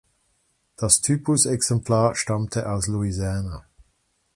Das Typusexemplar stammte aus Louisiana.